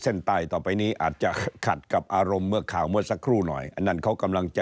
เส้นใต้ต่อไปนี้อาจจะขัดกับอารมณ์เมื่อข่าวเมื่อสักครู่หน่อยอันนั้นเขากำลังจะ